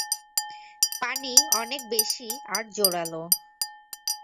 পানি অনেক বেশি আর জোরালো।